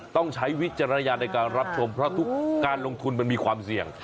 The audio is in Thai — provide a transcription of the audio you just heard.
ต้องใช้วิจารณญาณในการรับชมเพราะทุกการลงทุนมันมีความเสี่ยง